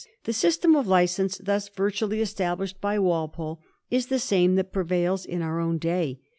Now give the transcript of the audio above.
The system of license thus virtually established by Walpole is the same that prevails in our own day.